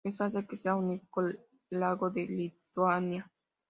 Esto hace que sea un único lago en Lituania.